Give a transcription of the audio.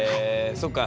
そっか。